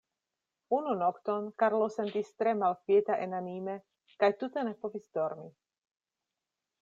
Unu nokton Karlo sentis tre malkvieta enanime, kaj tute ne povis dormi.